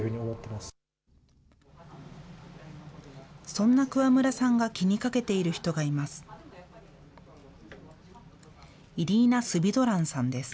そんな桑村さんが気にかけている人がいます。